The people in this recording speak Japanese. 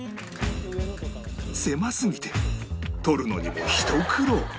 狭すぎて取るのにもひと苦労